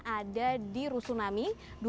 ada di rusunami